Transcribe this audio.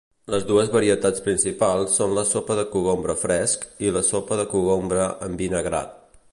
Les dues varietats principals són la sopa de cogombre fresc i la sopa de cogombre envinagrat.